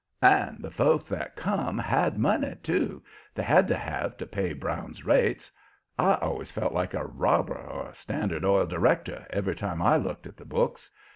And the folks that come had money, too they had to have to pay Brown's rates. I always felt like a robber or a Standard Oil director every time I looked at the books.